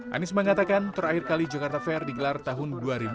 anies mengatakan terakhir kali jakarta fair digelar tahun dua ribu dua puluh